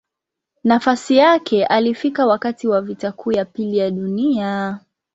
Nafasi yake alifika wakati wa Vita Kuu ya Pili ya Dunia.